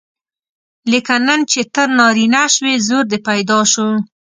لیکن نن چې ته نارینه شوې زور دې پیدا شو.